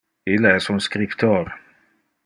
Ille es un scriptor.